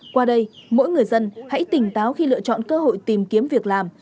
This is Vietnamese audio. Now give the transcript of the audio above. qua đây mỗi người dân hãy tỉnh táo khi lựa chọn cơ hội tìm kiếm việc làm